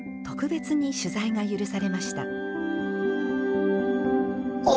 特別に取材が許されました。